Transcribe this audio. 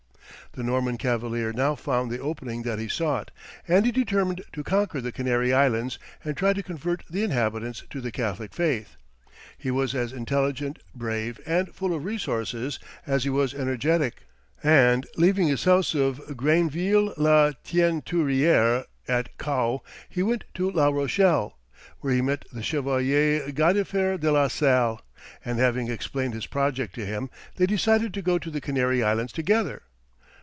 The Norman cavalier now found the opening that he sought, and he determined to conquer the Canary Islands and try to convert the inhabitants to the Catholic faith. He was as intelligent, brave, and full of resources as he was energetic; and leaving his house of Grainville la Teinturière at Caux, he went to La Rochelle, where he met the Chevalier Gadifer de la Salle, and having explained his project to him, they decided to go to the Canary Islands together.